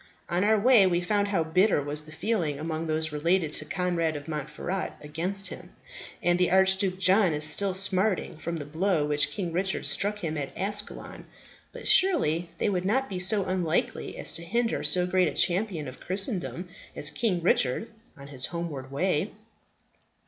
On our way, we found how bitter was the feeling among those related to Conrad of Montferat against him; and the Archduke John is still smarting from the blow which King Richard struck him at Ascalon. But surely they would not be so unknightly as to hinder so great a champion of Christendom as King Richard on his homeward way?"